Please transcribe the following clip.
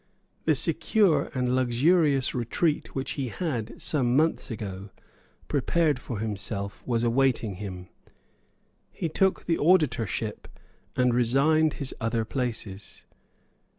The secure and luxurious retreat which he had, some months ago, prepared for himself was awaiting him. He took the Auditorship, and resigned his other places.